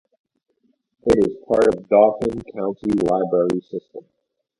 It is part of Dauphin County Library System.